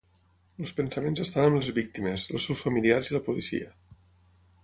Els pensaments estan amb les víctimes, els seus familiars i la policia.